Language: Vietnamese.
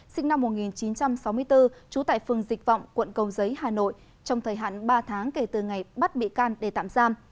sinh năm một nghìn chín trăm sáu mươi bốn trú tại phường dịch vọng quận cầu giấy hà nội trong thời hạn ba tháng kể từ ngày bắt bị can để tạm giam